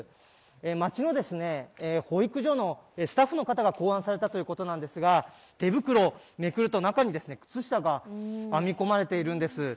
町の保育所のスタッフの方が考案されたということですが手袋をめくると中に靴下が編み込まれているんです。